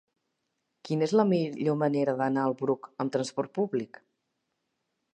Quina és la millor manera d'anar al Bruc amb trasport públic?